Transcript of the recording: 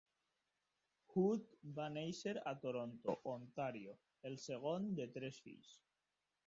Hutt va néixer a Toronto, Ontario, el segon de tres fills.